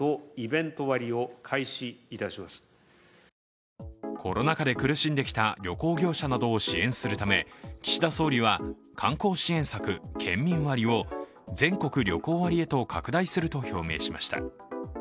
更にコロナ禍で苦しんできた旅行業者などを支援するため岸田総理は、観光支援策、県民割を全国旅行割へと拡大すると表明しました。